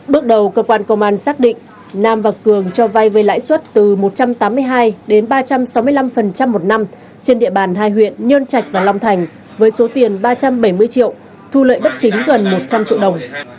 bước đầu cơ quan công an xác định nam và cường cho vay với lãi suất từ một trăm tám mươi hai đến ba trăm sáu mươi năm một năm trên địa bàn hai huyện nhơn trạch và long thành với số tiền ba trăm bảy mươi triệu thu lợi bất chính gần một trăm linh triệu đồng